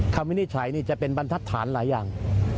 วินิจฉัยนี่จะเป็นบรรทัศน์หลายอย่าง